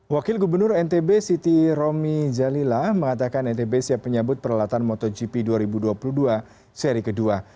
wakil gubernur ntb siti romi jalila mengatakan ntb siap menyambut peralatan motogp dua ribu dua puluh dua seri kedua